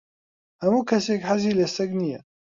ھەموو کەسێک حەزی لە سەگ نییە.